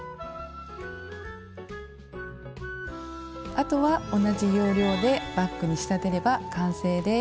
あとは同じ要領でバッグに仕立てれば完成です。